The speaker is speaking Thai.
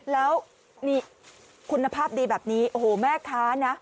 แล้วนี่คุณภาพดีแบบนี้โอ้โหแม่ค้านะ